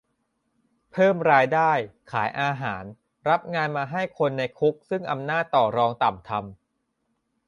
เพิ่มรายได้ ขายอาหาร รับงานมาให้คนในคุกซึ่งอำนาจต่อรองต่ำทำ